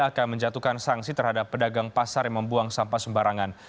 akan menjatuhkan sanksi terhadap pedagang pasar yang membuang sampah sembarangan